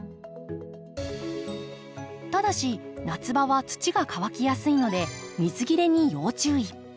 ただし夏場は土が乾きやすいので水切れに要注意。